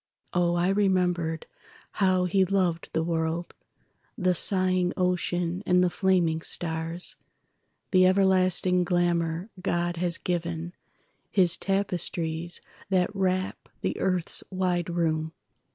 Oh, I remembered how he loved the world, The sighing ocean and the flaming stars, The everlasting glamour God has given—His tapestries that wrap the earth's wide room.